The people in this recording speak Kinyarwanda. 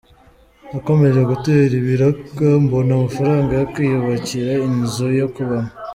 Nakomeje gutera ibiraka mbona amafaranga yo kwiyubakira inzu yo kubamo.